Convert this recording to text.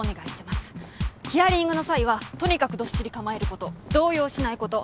ヒアリングの際はとにかくどっしり構えること動揺しないこと。